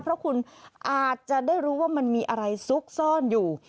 เพราะคุณอาจจะได้รู้ว่ามันมีอะไรซุกซ่อนอยู่